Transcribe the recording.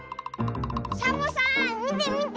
サボさんみてみて！